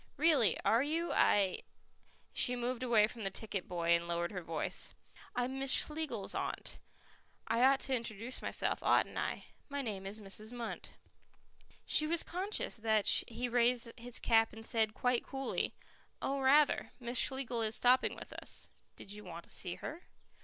"Really. Are you? I " She moved away from the ticket boy and lowered her voice. "I am Miss Schlegels aunt. I ought to introduce myself, oughtn't I? My name is Mrs. Munt." She was conscious that he raised his cap and said quite coolly, "Oh, rather; Miss Schlegel is stopping with us. Did you want to see her?"